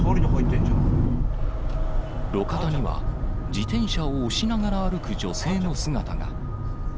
路肩には、自転車を押しながら歩く女性の姿が。